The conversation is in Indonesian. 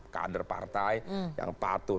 kader partai yang patuh